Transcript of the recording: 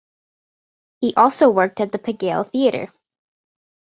He also worked at the Pigalle Theatre.